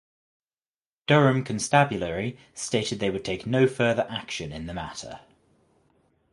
Durham Constabulary stated they would take no further action in the matter.